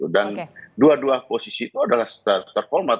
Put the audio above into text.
dan dua dua posisi itu adalah setara format